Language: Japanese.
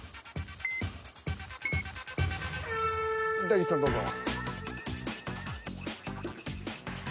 大吉さんどうぞ。